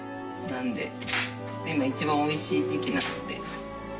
なのでちょっと今一番おいしい時季なので。